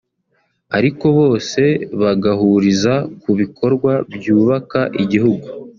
ariko bose bagahuriza ku bikorwa byubaka igihugu